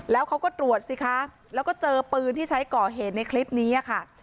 แล้วเขาก็ตรวจสิคะแล้วก็เจอปืนที่ใช้ก่อเหตุในคลิปนี้ค่ะ